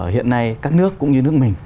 hiện nay các nước cũng như nước mình